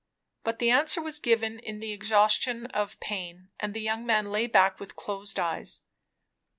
But the answer was given in the exhaustion of pain, and the young man lay back with closed eyes.